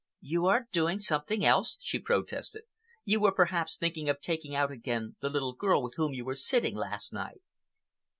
"You are doing something else?" she protested. "You were, perhaps, thinking of taking out again the little girl with whom you were sitting last night?"